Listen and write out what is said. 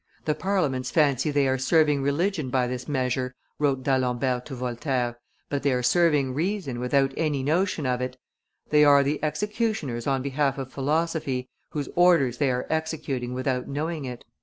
"The Parliaments fancy they are serving religion by this measure," wrote D'Alembert to Voltaire, "but they are serving reason without any notion of it; they are the, executioners on behalf of philosophy, whose orders they are executing without knowing it."